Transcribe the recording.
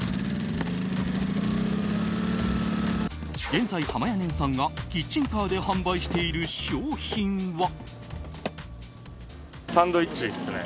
現在、はまやねんさんがキッチンカーで販売している商品は。